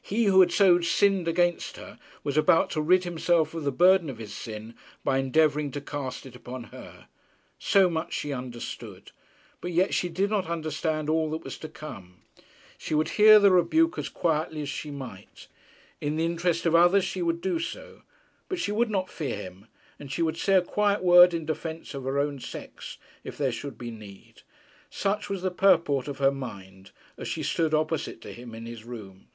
He who had so sinned against her was about to rid himself of the burden of his sin by endeavouring to cast it upon her. So much she understood, but yet she did not understand all that was to come. She would hear the rebuke as quietly as she might. In the interest of others she would do so. But she would not fear him, and she would say a quiet word in defence of her own sex if there should be need. Such was the purport of her mind as she stood opposite to him in his room.